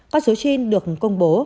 các số trên được công bố